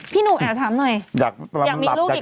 พี่หนุ่มแอบถามหน่อย